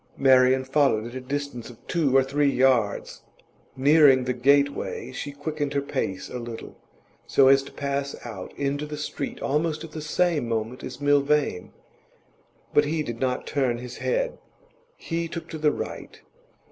Marian followed at a distance of two or three yards. Nearing the gateway, she quickened her pace a little, so as to pass out into the street almost at the same moment as Milvain. But he did not turn his head. He took to the right.